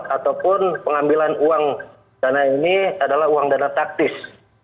ataupun pengambilan uang dana ini adalah uang dana taktis